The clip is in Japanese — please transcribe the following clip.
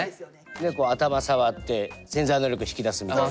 頭触って潜在能力引き出すみたいな。